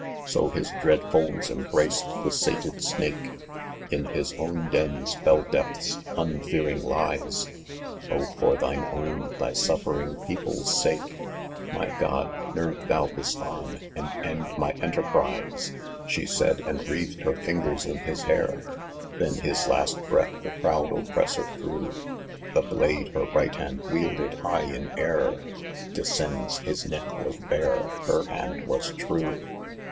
" So, his dread folds unbraced, the sated snake In his own den's fell depths, unfearing lies ! Ob ! for thine own, thy suffering people's sake, My God, nerve thou this arm and end my emerprue !" 22 She said, and wreathed her fingers in his hair, Then, hi* last breath the proud oppressor drew ; The blade her right hand wielded high in air Descends ; his neck was bare, her hand was true.